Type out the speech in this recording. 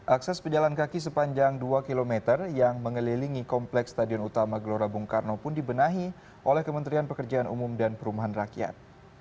akses pejalan kaki sepanjang dua km yang mengelilingi kompleks stadion utama gelora bung karno pun dibenahi oleh kementerian pekerjaan umum dan perumahan rakyat